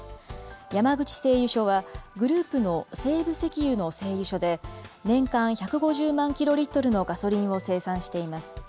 山口製油所は、グループの西部石油の製油所で、年間１５０万キロリットルのガソリンを生産しています。